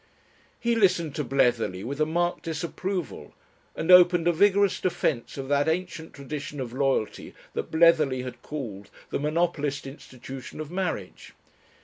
He listened to Bletherley with a marked disapproval, and opened a vigorous defence of that ancient tradition of loyalty that Bletherley had called the monopolist institution of marriage.